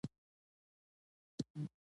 نور شیان د هېواد په زیاتو برخو کې جوړیږي.